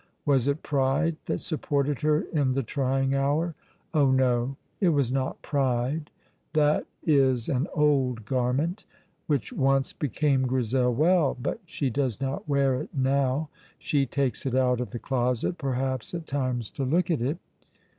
Was it pride that supported her in the trying hour? Oh, no, it was not pride. That is an old garment, which once became Grizel well, but she does not wear it now; she takes it out of the closet, perhaps, at times to look at it.